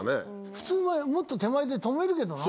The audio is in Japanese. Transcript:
普通はもっと手前で止めるけどな。